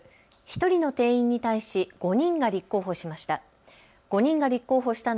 １人の定員に対し５人が立候補しました。